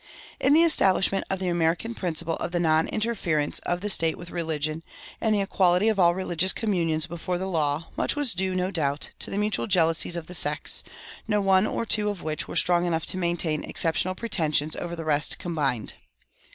In the establishment of the American principle of the non interference of the state with religion, and the equality of all religious communions before the law, much was due, no doubt, to the mutual jealousies of the sects, no one or two of which were strong enough to maintain exceptional pretensions over the rest combined.